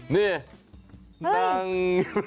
นี่นั่ง